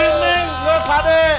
si neng luas adik